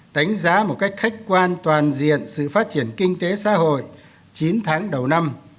đánh giá một cách khách quan toàn diện sự phát triển kinh tế xã hội chín tháng đầu năm